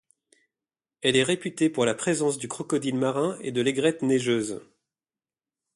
Elle est réputée pour la présence du crocodile marin et de l'aigrette neigeuse.